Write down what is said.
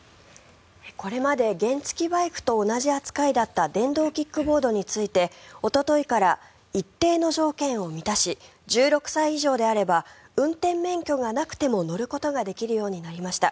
これまで原付きバイクと同じ扱いだった電動キックボードについておとといから一定の条件を満たし１６歳以上であれば運転免許がなくても乗ることができるようになりました。